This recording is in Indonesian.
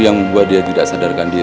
jangan pindah naik nadie kali